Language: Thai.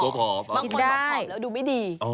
บางคนว่าผอมแล้วดูไม่ดี